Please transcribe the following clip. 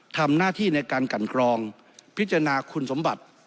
ทำหน้าที่ในการกันกรองพิจารณาคุณสมบัติ